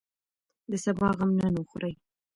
د سبا غم نن وخورئ.